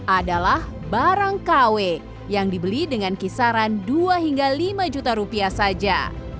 adalah barang kw yang dibeli dengan kisaran dua hingga lima juta rupiah saja